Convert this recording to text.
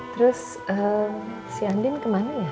terus si andin kemana ya